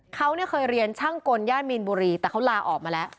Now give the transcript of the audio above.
เขาเนี่ยเคยเรียนช่างกลย่านมีนบุรีแต่เขาลาออกมาแล้ว